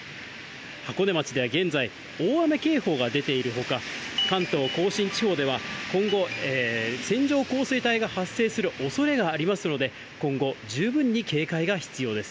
箱根町では現在、大雨警報が出ているほか、関東甲信地方では、今後、線状降水帯が発生するおそれがありますので、今後、十分に警戒が必要です。